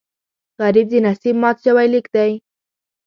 غریب د نصیب مات شوی لیک دی